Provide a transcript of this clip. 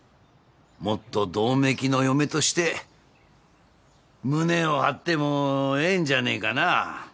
もっと百目鬼の嫁として胸を張ってもええんじゃねえかな。